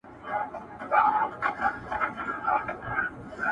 کشکي ستا په خاطر لمر وای راختلی،!